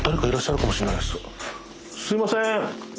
すいません。